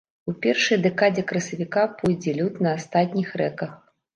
У першай дэкадзе красавіка пойдзе лёд на астатніх рэках.